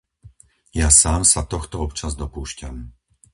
Ja sám sa tohto občas dopúšťam.